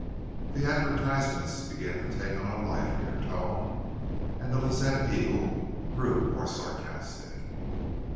"' The advertisements began to take on a livelier tone and the Lazette Eagle grew more sarcastic.